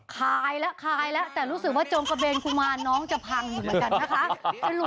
คายแล้วคายแล้วแต่รู้สึกว่าจงกระเบนกุมารน้องจะพังอยู่เหมือนกันนะคะ